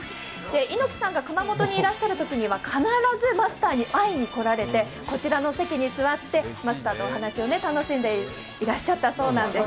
猪木さんが熊本にいらっしゃるときには必ずマスターに会いに来られてこちらの席に座って、マスターとお話を楽しんでいらっしゃったそうなんです。